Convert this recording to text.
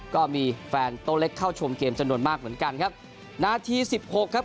ก็มีแฟนโต๊ะเล็กเข้าชมเกมจำนวนมากเหมือนกันครับนาทีสิบหกครับ